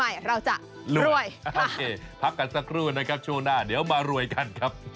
อยากจะรวยกัน